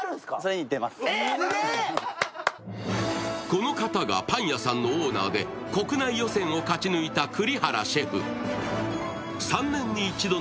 この方がパン屋さんのオーナーで、国内予選を勝ち抜いた栗原シェフ。